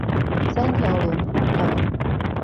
三條崙古道